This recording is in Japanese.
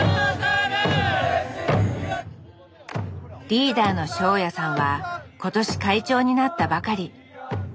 リーダーの翔也さんは今年会長になったばかり。